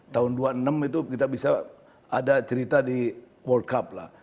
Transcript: tahun dua puluh enam itu kita bisa ada cerita di world cup lah